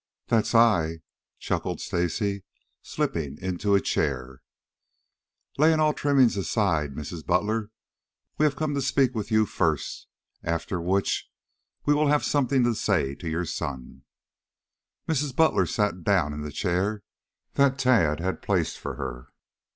"That's I," chuckled Stacy, slipping into a chair. "Laying all trimmings aside, Mrs. Butler, we have come to speak with you first, after which we'll have something to say to your son." Mrs. Butler sat down in the chair that Tad had placed for her.